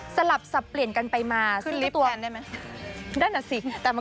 สลับสับเปลี่ยนกันไปมา